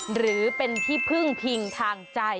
หรือเป็นที่พึ่งพิงทางใจ